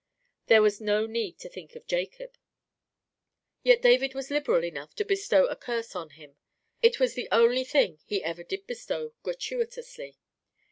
There was no need to think of Jacob; yet David was liberal enough to bestow a curse on him—it was the only thing he ever did bestow gratuitously.